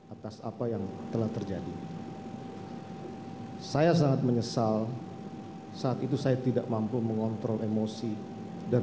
atas apa yang telah terjadi saya sangat menyesal saat itu saya tidak mampu mengontrol emosi dan